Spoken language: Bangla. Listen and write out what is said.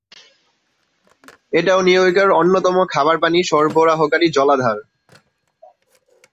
এটাও নিউ ইয়র্কের অন্যতম খাবার পানি সরবরাহকারী জলাধার।